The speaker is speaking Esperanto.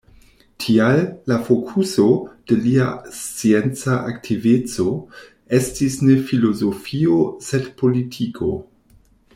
Tial, la fokuso de lia scienca aktiveco estis ne filozofio, sed politiko.